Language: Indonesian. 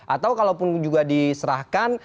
atau kalau pun juga diserahkan